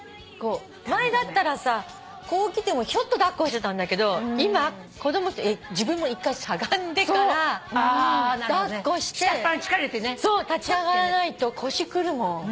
前だったらさこう来てもひょっと抱っこしてたんだけど今自分も１回しゃがんでから抱っこして立ち上がらないと腰くるもん。